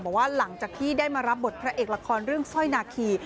บอกว่าหลังจากที่ได้มารับบทพระเอกละครเรื่องสร้อยนาคี